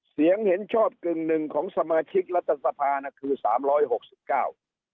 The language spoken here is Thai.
เห็นเห็นชอบกึ่งหนึ่งของสมาชิกรัฐสภาน่ะคือสามร้อยหกสิบเก้า